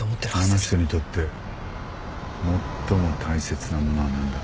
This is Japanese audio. あの人にとって最も大切なものは何だ？